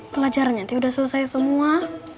pelajarannya tuh udah selesai semua